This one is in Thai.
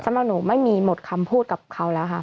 สำหรับหนูไม่มีหมดคำพูดกับเขาแล้วค่ะ